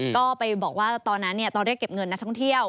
ก็ไปบอกว่าตอนนั้นตอนเรียกเก็บเงินนักท่องเที่ยว